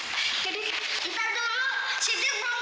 jadi ntar dulu siddiq belum ketemu bang mama